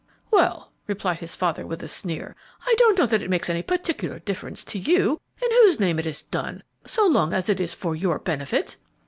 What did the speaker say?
"Well," replied his father, with a sneer, "I don't know that it makes any particular difference to you in whose name it is done, so long as it is for your benefit."